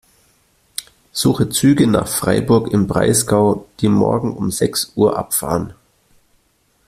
Suche Züge nach Freiburg im Breisgau, die morgen um sechs Uhr abfahren.